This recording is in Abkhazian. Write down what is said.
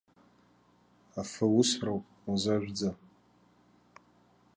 Афы усроуп, узажәӡа!